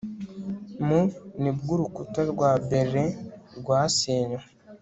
Mu ni bwo Urukuta rwa Berlin rwasenywe